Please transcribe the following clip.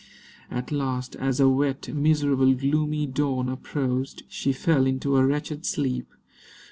At last, as a wet, miserable, gloomy dawn approached, she fell into a wretched sleep.